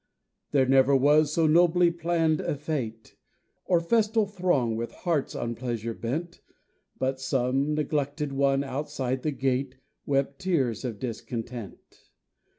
There never was so nobly planned a fête, Or festal throng with hearts on pleasure bent, But some neglected one outside the gate Wept tears of discontent.